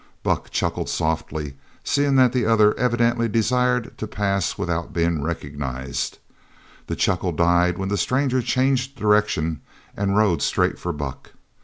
Buck chuckled softly, seeing that the other evidently desired to pass without being recognized. The chuckle died when the stranger changed direction and rode straight for Buck.